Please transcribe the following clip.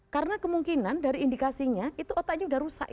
karena kemungkinan dari indikasinya itu otaknya sudah rusak